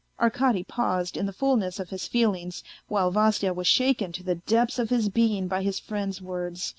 ..." Arkady paused in the fullness of his feelings, while Vasya was shaken to the depths of his being by his friend's words.